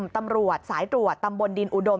ตำรวจสายตรวจตำบลดินอุดม